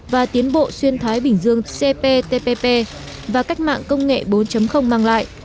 và tiến bộ xuyên thái bình dương cptpp và cách mạng công nghệ bốn mang lại